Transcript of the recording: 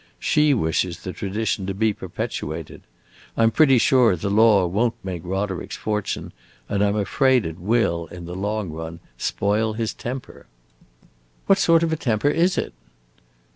She wishes the tradition to be perpetuated. I 'm pretty sure the law won't make Roderick's fortune, and I 'm afraid it will, in the long run, spoil his temper." "What sort of a temper is it?"